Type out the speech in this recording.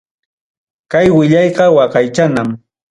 Kay willayqa waqaychanam.